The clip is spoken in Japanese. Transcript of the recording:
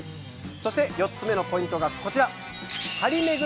そして４つ目のポイントがこちら。